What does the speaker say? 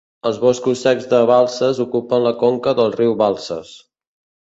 Els boscos secs de Balsas ocupen la conca del riu Balsas.